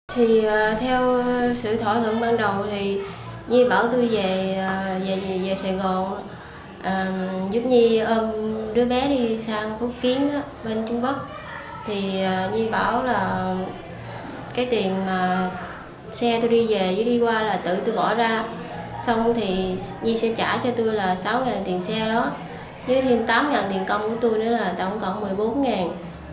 thì theo sự thỏa thuận ban đầu thì nhi bảo tôi về sài gòn giúp nhi ôm đứa bé đi sang cúc kiến